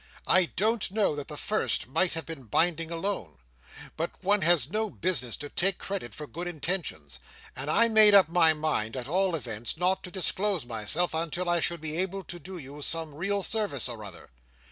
I don't know that the first might have been binding alone; but one has no business to take credit for good intentions, and I made up my mind, at all events, not to disclose myself until I should be able to do you some real service or other.